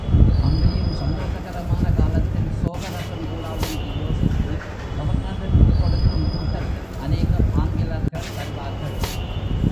அன்றியும், சந்தோஷகரமான காலத்தில், சோகரசம் கூடாதென்று யோசித்து, கவர்னருக்குக் கொடுக்கும் கூட்டத்தில் அநேகம் ஆங்கிலர்கள் வருவார்கள்.